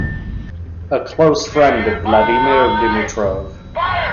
A close friend of Vladimir Dimitrov.